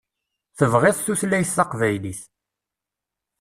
Tebɣiḍ tutlayt taqbaylit.